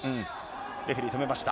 レフェリー止めました。